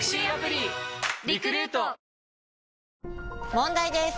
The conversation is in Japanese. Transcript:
問題です！